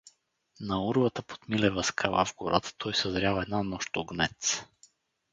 На урвата под Милева скала, в гората, той съзрял една нощ огнец.